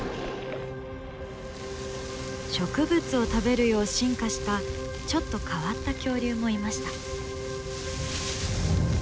植物を食べるよう進化したちょっと変わった恐竜もいました。